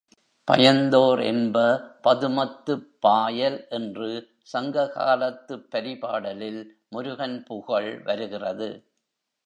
பயந்தோர் என்ப பதுமத்துப் பாயல் என்று சங்ககாலத்துப் பரிபாடலில் முருகன் புகழ் வருகிறது.